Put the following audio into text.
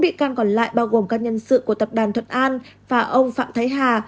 bốn bị can còn lại bao gồm các nhân sự của tập đoàn thuận an và ông phạm thái hà